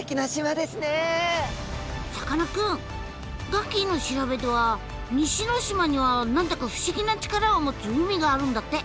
ガキィの調べでは西ノ島には何だか不思議な力を持つ海があるんだって。